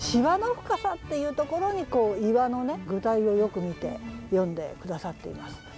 「皺の深さ」っていうところに岩の具体をよく見て詠んで下さっています。